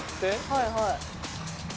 はいはい。